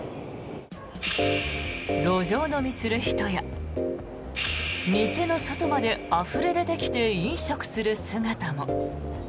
路上飲みする人や店の外まであふれ出てきて飲食する姿も。